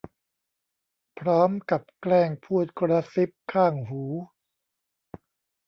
พร้อมกับแกล้งพูดกระซิบข้างหู